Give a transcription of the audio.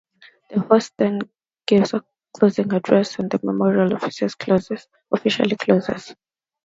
The Host then gives a closing address and the memorial officially closes.